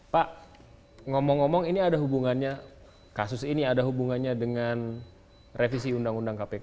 pak ngomong ngomong ini ada hubungannya kasus ini ada hubungannya dengan revisi undang undang kpk